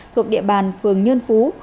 thuộc địa bàn phường nhân phú